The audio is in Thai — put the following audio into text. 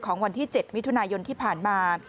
วันที่๗มิถุนายนที่ผ่านมา